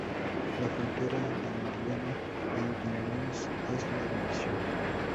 La frontera de Indiana y Illinois es la división.